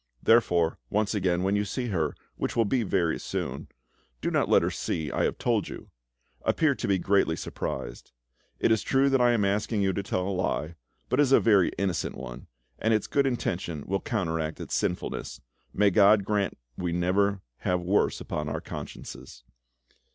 Therefore, once again, when you see her, which will be very soon, do not let her see I have told you; appear to be greatly surprised. It is true that I am asking you to tell a lie, but it is a very innocent one, and its good intention will counteract its sinfulness—may God grant we never have worse upon our consciences!